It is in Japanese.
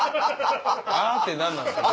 「あ」って何なんですか。